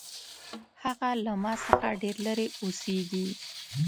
هغه له ما څخه ډېر لرې اوسیږي